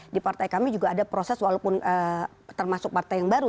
di partai kami juga ada proses walaupun termasuk partai yang baru